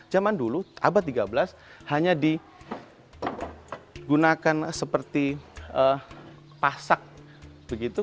zaman dulu abad tiga belas hanya digunakan seperti pasak begitu